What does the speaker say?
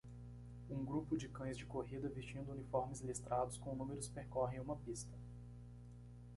Um grupo de cães de corrida vestindo uniformes listrados com números percorrem uma pista.